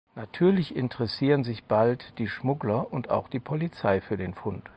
Natürlich interessieren sich bald die Schmuggler und auch die Polizei für den Fund.